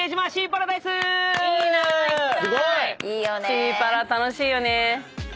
シーパラ楽しいよね。